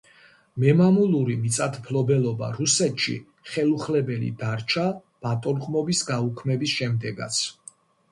მემამულური მიწათმფლობელობა რუსეთში ხელუხლებელი დარჩა ბატონყმობის გაუქმების შემდეგაც.